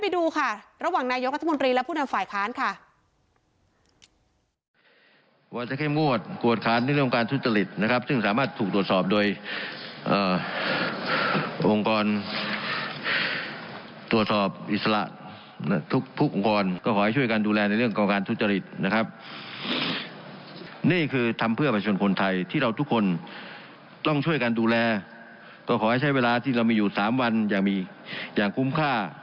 ไปดูค่ะระหว่างนายกรัฐมนตรีและผู้นำฝ่ายค้านค่ะ